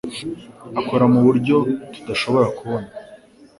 Akora muburyo tudashobora kubona